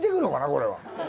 これは。